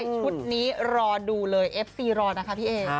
ชุดนี้รอดูเลยเอฟซีรอนะคะพี่เอ